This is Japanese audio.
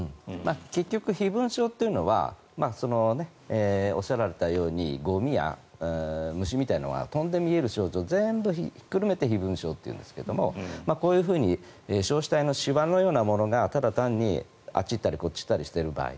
結局、飛蚊症というのはおっしゃられたようにゴミや虫みたいなのが飛んで見える症状を全部ひっくるめて飛蚊症というんですがこういうふうに硝子体のしわのようなものがただ単に、あっち行ったりこっち行ったりしている場合。